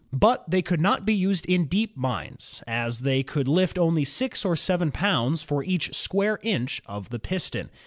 But they could not be used in deep mines, as they could lift only six or seven pounds for each square inch of the piston.